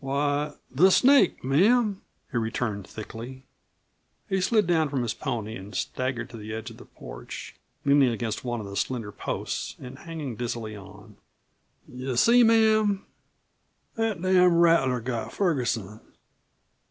"Why, the snake, ma'am," he returned thickly. He slid down from his pony and staggered to the edge of the porch, leaning against one of the slender posts and hanging dizzily on. "You see, ma'am, that damned rattler got Ferguson.